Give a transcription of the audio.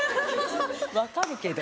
分かるけど。